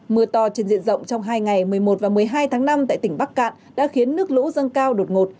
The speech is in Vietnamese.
mưa to trên diện rộng trong hai ngày một mươi một và một mươi hai tháng năm tại tỉnh bắc cạn đã khiến nước lũ dâng cao đột ngột